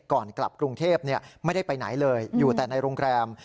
ก่อนกลับกรุงเทพไม่ได้ไปไหนเลยอยู่แต่ในโรงแรม